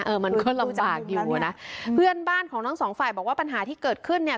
มันก็ลำบากอยู่อ่ะนะเพื่อนบ้านของทั้งสองฝ่ายบอกว่าปัญหาที่เกิดขึ้นเนี่ย